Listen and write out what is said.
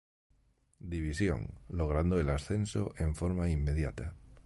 División, logrando el ascenso en forma inmediata.